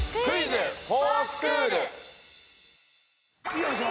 よいしょ！